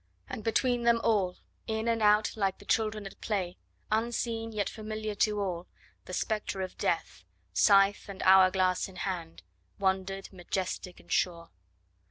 And, between them all, in and out like the children at play, unseen, yet familiar to all, the spectre of Death, scythe and hour glass in hand, wandered, majestic and sure.